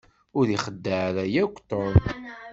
Ur ixeddeɛ ara akk Tom.